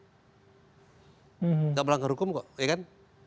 tidak melanggar hukum kok ya kan